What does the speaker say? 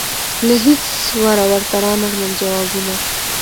له هیڅ وره ورته رانغلل جوابونه